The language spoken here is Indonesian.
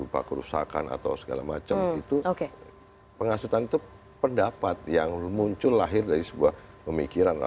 pakan atau segala macam itu oke penghasutan itu pendapat yang muncul lahir dari sebuah pemikiran